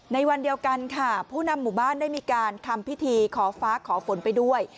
ในวันเดียวกันค่ะผู้นำหมู่บ้านได้มีการทำพิธีขอฟ้าขอฝนไปด้วย